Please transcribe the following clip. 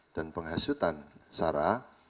dan penghasutan sara